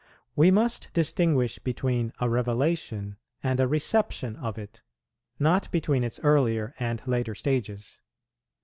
We must distinguish between a revelation and a reception of it, not between its earlier and later stages.